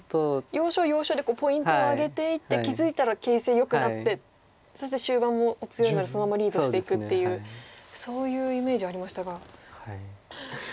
要所要所でポイントを挙げていって気付いたら形勢よくなってそして終盤もお強いのでそのままリードしていくっていうそういうイメージありましたが大胆な。